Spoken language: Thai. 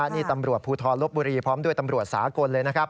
นี่ตำรวจภูทรลบบุรีพร้อมด้วยตำรวจสากลเลยนะครับ